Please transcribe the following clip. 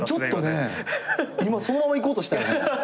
今そのままいこうとしたよね。